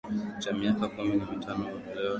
cha miaka kumi na mitano hakutenda kosa hilo lakini